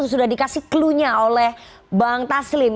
itu sudah dikasih klunya oleh bang taslim